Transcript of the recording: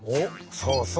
そうそう！